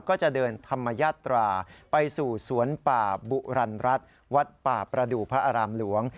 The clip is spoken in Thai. ก็จะเดินธรรมญาตราไปสู่สวนป่าบุรรณรัฐวัดป่าประดูกพระอารามหลวง